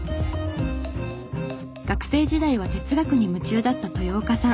学生時代は哲学に夢中だった豊岡さん。